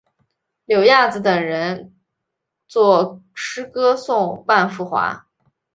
柳亚子等人作诗歌颂万福华。